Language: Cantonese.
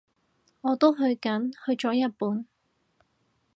我都去緊，去咗日本